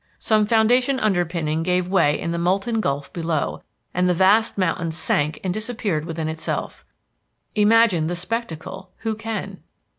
Some foundation underpinning gave way in the molten gulf below, and the vast mountain sank and disappeared within itself. Imagine the spectacle who can!